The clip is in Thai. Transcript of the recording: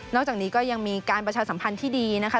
จากนี้ก็ยังมีการประชาสัมพันธ์ที่ดีนะคะ